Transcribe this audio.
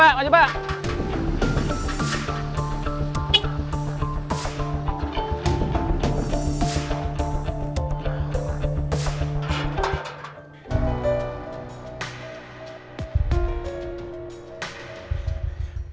assalamualaikum ayang kiki